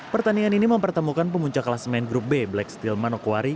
pertandingan ini mempertemukan pemunca kelas main grup black steel manokwari